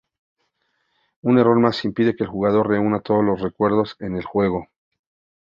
Un error más impide que el jugador reúna todos los recuerdos en el juego.